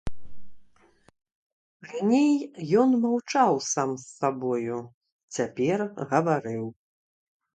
Раней ён маўчаў сам з сабою, цяпер гаварыў.